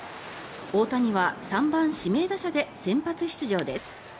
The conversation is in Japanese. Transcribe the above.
大谷は３番指名打者で先発出場です。